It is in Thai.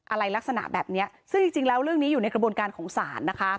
อะไรลักษณะแบบนี้ซึ่งจริงแล้วเรื่องนี้อยู่ในกระบวนการของศาลนะคะ